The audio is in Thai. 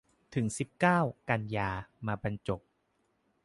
ถึงสิบเก้า กันยา มาบรรจบ